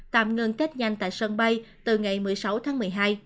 tạm ngưng kết nhanh tại sân bay từ ngày một mươi sáu tháng một mươi hai